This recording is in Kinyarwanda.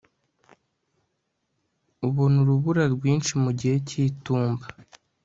ubona urubura rwinshi mu gihe cy'itumba